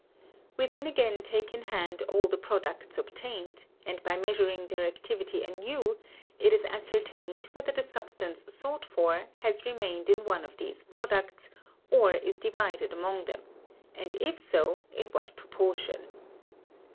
We then again take in hand all the products obtained, and by measuring their activity anew, it is ascertained whether the substance sought for has remained in one of these products, or is divided among them, and if so, in what proportion.